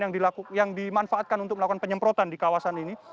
yang dimanfaatkan untuk melakukan penyemprotan di kawasan ini